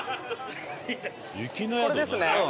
これですね。